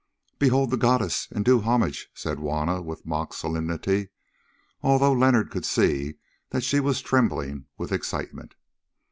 "Behold the goddess and do homage," said Juanna with mock solemnity, although Leonard could see that she was trembling with excitement.